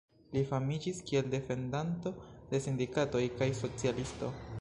Li famiĝis kiel defendanto de sindikatoj kaj socialisto.